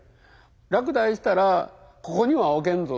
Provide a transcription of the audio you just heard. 「落第したらここには置けんぞ」と。